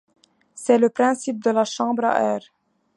C’est le principe de la chambre à air.